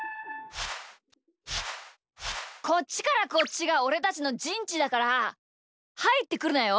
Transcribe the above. こっちからこっちがおれたちのじんちだからはいってくるなよ。